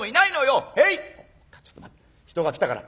「おっかあちょっと待て人が来たから。